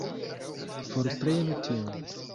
Forprenu tion!